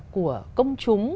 của công chúng